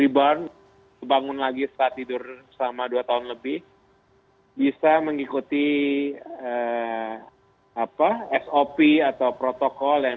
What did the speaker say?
ombil kebangun lagi dan tidur selama dua tahun lebih bisa mengikuti sop atau protokol yang healthy